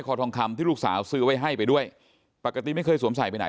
ทองคำที่ลูกสาวซื้อไว้ให้ไปด้วยปกติไม่เคยสวมใส่ไปไหน